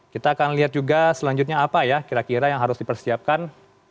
kita akan lihat juga selanjutnya apa ya kira kira yang harus dipersiapkan